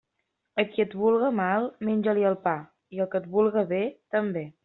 A qui et vulga mal, menja-li el pa, i al que et vulga bé, també.